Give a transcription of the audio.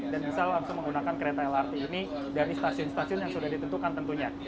bisa langsung menggunakan kereta lrt ini dari stasiun stasiun yang sudah ditentukan tentunya